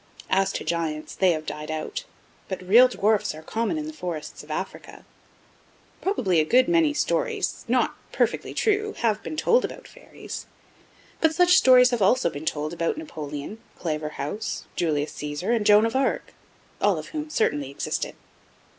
As to Giants, they have died out, but real Dwarfs are common in the forests of Africa. Probably a good many stories not perfectly true have been told about fairies, but such stories have also been told about Napoleon, Claverhouse, Julius Caesar, and Joan of Arc, all of whom certainly existed.